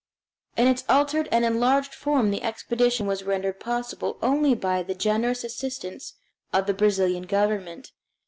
In its altered and enlarged form the expedition was rendered possible only by the generous assistance of the Brazilian Government.